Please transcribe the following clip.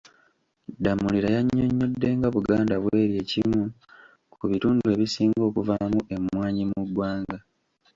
Damulira yannyonnyodde nga Buganda bw'eri ekimu ku bitundu ebisinga okuvaamu emmwanyi mu ggwanga.